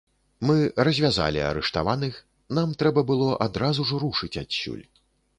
Мы развязалі арыштаваных, нам трэба было адразу ж рушыць адсюль.